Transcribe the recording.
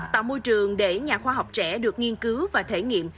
tạo môi trường để nhà khoa học trẻ được nghiên cứu và thể nghiệm